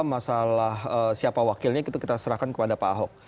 masalah siapa wakilnya itu kita serahkan kepada pak ahok